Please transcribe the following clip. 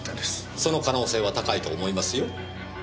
その可能性は高いと思いますよ。